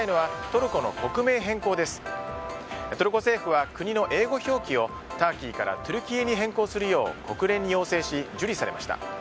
トルコ政府は国の英語表記をターキーからトゥルキエに変更するよう国連に要請し受理されました。